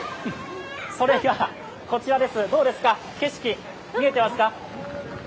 それがこちらです、どうですか景色、見えてますか。